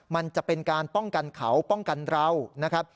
มันจะเป็นการป้องกันเขาป้องกันเรานะครับ